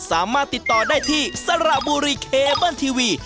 สามารถติดต่อได้ที่สระบุรีเคเบิ้ลทีวี